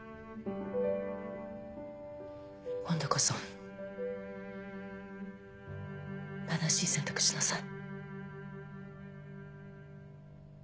今度こそ正しい選択しなさい。